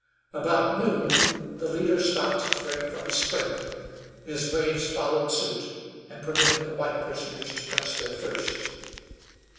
About noon the leader stopped to drink from a spring; his braves followed suit and permitted the white prisoners to quench their thirst.